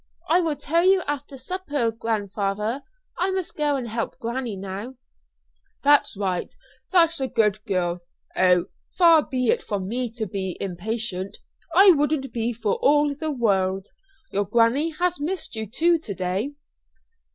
"I will tell you after supper, grandfather. I must go and help granny now." "That's right; that's a good girl. Oh! far be it from me to be impatient; I wouldn't be for all the world. Your granny has missed you too to day."